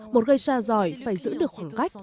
một geisha giỏi phải giữ được khoảng cách